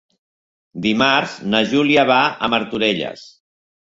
Dimarts na Júlia va a Martorelles.